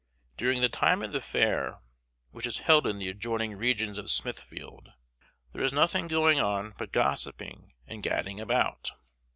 During the time of the Fair, which is held in the adjoining regions of Smithfield, there is nothing going on but gossiping and gadding about.